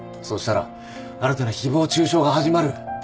そしたら新たな誹謗中傷が始まる。